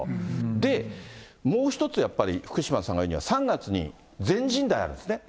で、もう一つやっぱり福島さんが言うには、３月に全人代があるんですね。